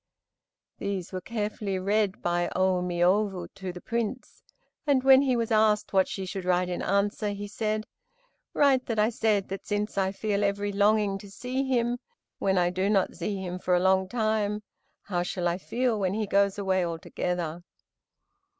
These were carefully read by Ô Miôbu to the Prince, and when he was asked what she should write in answer, he said: "Write that I said that since I feel every longing to see him, when I do not see him for a long time, how shall I feel when he goes away altogether?"